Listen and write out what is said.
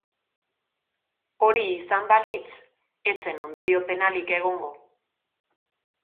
Hori izan balitz, ez zen ondorio penalik egongo.